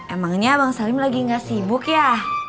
emangnya bang salim lagi gak sibuk ya